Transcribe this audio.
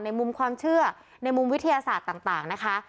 มุมความเชื่อในมุมวิทยาศาสตร์ต่างนะคะ